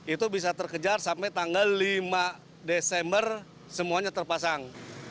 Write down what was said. itu bisa terkejar sampai tanggal lima desember semuanya terpasang